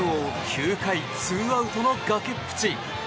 ９回２アウトの崖っぷち。